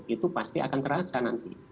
itu pasti akan terasa nanti